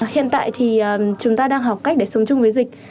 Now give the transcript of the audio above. hiện tại thì chúng ta đang học cách để sống chung với dịch